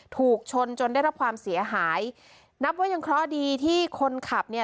ถูกชนจนได้รับความเสียหายนับว่ายังเคราะห์ดีที่คนขับเนี่ย